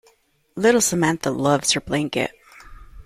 Little Samantha loves her blanket.